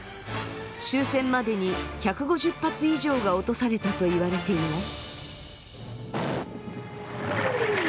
終戦までに１５０発以上が落とされたといわれています。